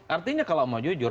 artinya kalau mau jujur